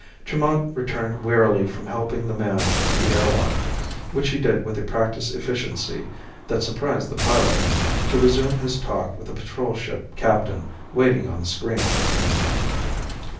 Tremont returned wearily from helping the man in the air lock which he did with a practiced efficiency that surprised the pilot to resume his talk with the patrol ship captain waiting on the screen.